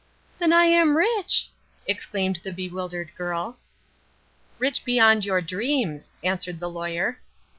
"Then I am rich!" exclaimed the bewildered girl. "Rich beyond your dreams," answered the Lawyer.